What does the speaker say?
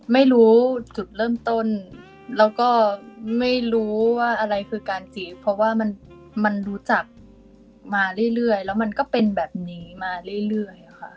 ไม่รู้จุดเริ่มต้นแล้วก็ไม่รู้ว่าอะไรคือการจีบเพราะว่ามันรู้จักมาเรื่อยแล้วมันก็เป็นแบบนี้มาเรื่อยค่ะ